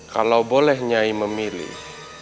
kalau boleh nyai memilih